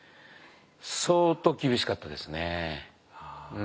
相当厳しかったですね。